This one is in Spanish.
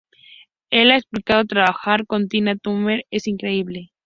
Él ha explicado: "Trabajar con Tina Turner es increíble.